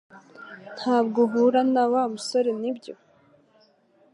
Ntabwo uhura na Wa musore nibyo